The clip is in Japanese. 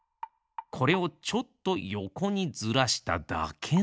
これをちょっとよこにずらしただけなのです。